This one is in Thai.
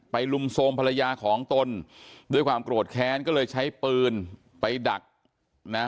ลุมโทรมภรรยาของตนด้วยความโกรธแค้นก็เลยใช้ปืนไปดักนะ